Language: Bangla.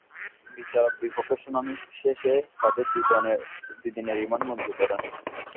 বিচারক দুই পক্ষের শুনানি শেষে তাঁদের দুই দিনের রিমান্ড মঞ্জুর করেছেন।